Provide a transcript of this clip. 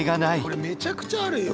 これめちゃくちゃあるよ。